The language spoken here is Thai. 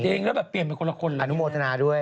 เองก็เปลี่ยนเป็นคนละคนอนุโมทนาด้วย